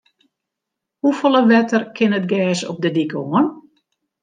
Hoefolle wetter kin it gers op de dyk oan?